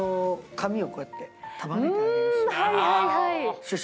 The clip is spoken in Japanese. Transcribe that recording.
髪をこうやって、束ねてあげるシーン。